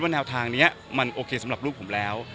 แนวทางนี้มันโอเคสำหรับลูกผมแล้ว